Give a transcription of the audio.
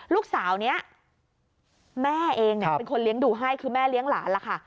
ลูกสาวนี้แม่เองเป็นคนเลี้ยงดูให้คือแม่เลี้ยงหลานล่ะค่ะ